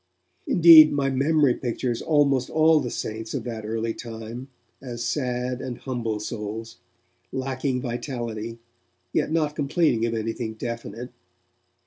Indeed, my memory pictures almost all the 'saints' of that early time as sad and humble souls, lacking vitality, yet not complaining of anything definite.